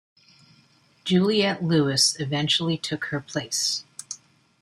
Juliette Lewis eventually took her place.